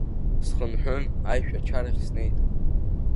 Схынҳәын, аишәачарахь снеит.